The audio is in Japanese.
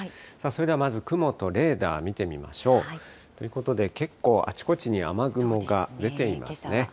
それではまず、雲とレーダー見てみましょう。ということで、結構あちこちに雨雲が出ていますね。